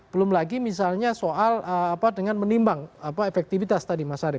belum lagi misalnya soal dengan menimbang efektivitas tadi mas arief